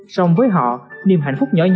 song với họ niềm hạnh phúc nhỏ nhỏ